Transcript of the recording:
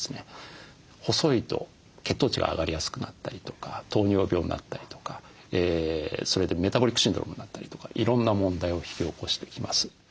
細いと血糖値が上がりやすくなったりとか糖尿病になったりとかそれでメタボリックシンドロームになったりとかいろんな問題を引き起こしてきます。